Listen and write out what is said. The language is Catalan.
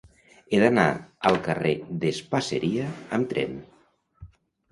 He d'anar al carrer d'Espaseria amb tren.